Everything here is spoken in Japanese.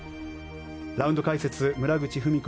ラウンド解説、村口史子